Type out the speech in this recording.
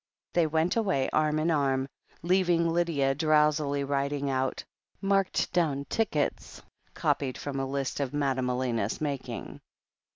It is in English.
They went away arm in arm, leaving Lydia drowsily writing out "Marked down" tickets, copied from a list of Madame Elena's making.